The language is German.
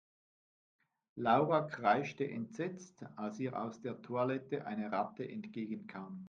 Laura kreischte entsetzt, als ihr aus der Toilette eine Ratte entgegenkam.